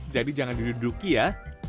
jadi jangan diduduki ya